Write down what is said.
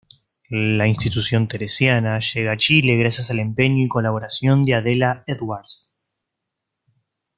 La Institución Teresiana llega a Chile gracias al empeño y colaboración de Adela Edwards.